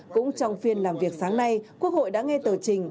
cũng trong phiên làm việc sáng nay quốc hội đã nghe tờ trình